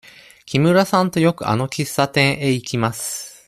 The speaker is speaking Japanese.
木村さんとよくあの喫茶店へ行きます。